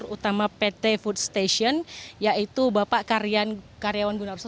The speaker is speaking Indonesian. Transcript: direktur utama pt food station yaitu bapak karyawan gunarso